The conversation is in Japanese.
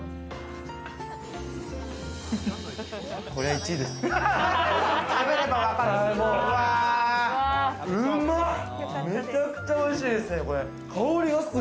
これは１位です。